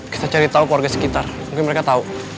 kita cari tau keluarga sekitar mungkin mereka tau